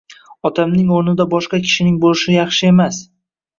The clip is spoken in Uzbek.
Otamning o`rnida boshqa kishining bo`lishi yaxshi emas